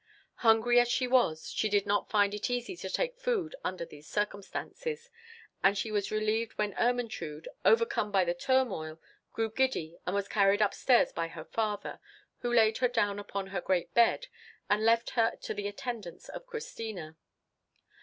Hungry as she was, she did not find it easy to take food under these circumstances, and she was relieved when Ermentrude, overcome by the turmoil, grew giddy, and was carried upstairs by her father, who laid her down upon her great bed, and left her to the attendance of Christina.